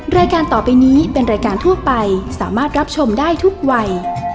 รายการต่อไปนี้เป็นรายการทั่วไปสามารถรับชมได้ทุกวัย